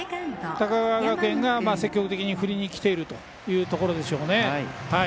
高川学園が積極的に振りにきているということでしょうね。